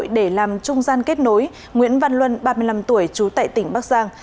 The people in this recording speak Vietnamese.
để làm trung gian kết nối nguyễn văn luân ba mươi năm tuổi trú tại tỉnh bắc giang